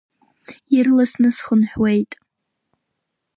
Ирласны схынҳәуеит.